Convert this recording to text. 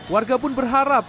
warga pun berharap